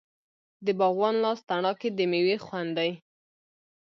د باغوان لاس تڼاکې د میوې خوند دی.